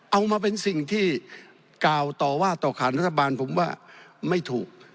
เอามาเป็นสิ่งที่กล่าวต่อว่าต่อขานรัฐบาลผมว่าไม่ถูก